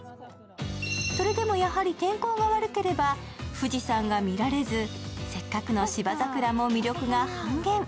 それでもやはり天候が悪ければ富士山が見られずせっかくの芝桜も魅力が半減。